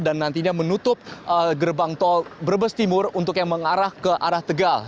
dan nantinya menutup gerbang tol berbes timur untuk yang mengarah ke arah tegal